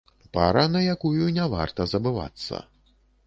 Пара, на якую не варта забывацца.